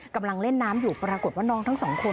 กำลังเล่นน้ำอยู่ปรากฏว่าน้องทั้งสองคน